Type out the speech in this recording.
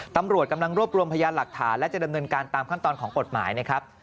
ตำรวจกำลังรวบรวมพยานหลักฐานและจะดำเนินการตามขั้นตอนของกฎหมายนะครับ